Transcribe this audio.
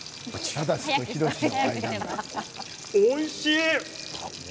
おいしい。